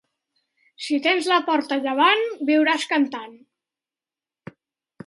Si tens la porta a llevant viuràs cantant.